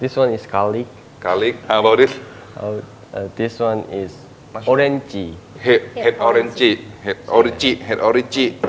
เซซามี